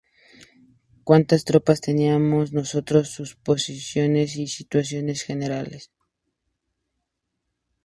Cuantas tropas teníamos nosotros, sus posiciones, y la situación general.